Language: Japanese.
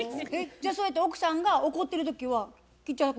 じゃあそうやって奥さんが怒ってる時は吉弥君はどうしてるの？